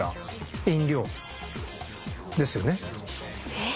えっ？